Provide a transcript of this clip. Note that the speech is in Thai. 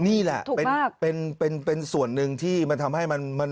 นี่แหละเป็นส่วนหนึ่งที่มันทำให้มัน